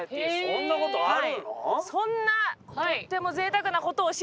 そんなことあるの？